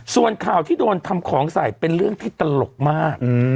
ส่วนข่าวที่โดนทำของใส่เป็นเรื่องที่ตลกมาก